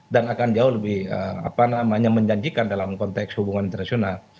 dan akan jauh lebih menjanjikan dalam konteks hubungan internasional